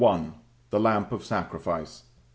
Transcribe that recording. THE LAMP OF SACRIFICE. I.